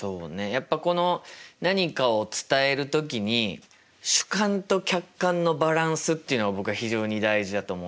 やっぱこの何かを伝える時に主観と客観のバランスっていうのが僕は非常に大事だと思ってて。